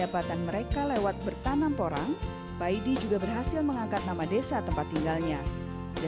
pak wuto terima kasih banyak